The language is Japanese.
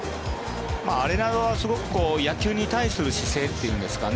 アレナドはすごく野球に対する姿勢というんですかね